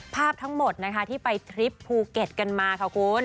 ภาพทั้งหมดนะคะที่ไปทริปภูเก็ตกันมาค่ะคุณ